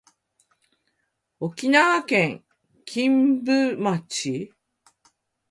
沖縄県金武町